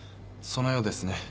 そのようですね。